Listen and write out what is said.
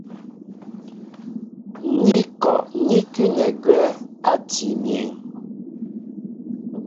Ni kɔ ní kʉ́nɛ agwɛ́ átii myéŋ.